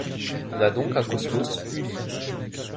On a donc un Cosmos uni.